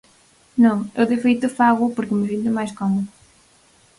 Non, eu de feito fágoo porque me sinto máis cómodo.